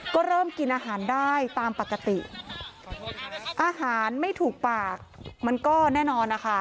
ก็เริ่มกินอาหารได้ตามปกติอาหารไม่ถูกปากมันก็แน่นอนนะคะ